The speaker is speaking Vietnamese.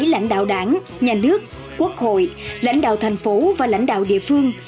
lãnh đạo đảng nhà nước quốc hội lãnh đạo thành phố và lãnh đạo địa phương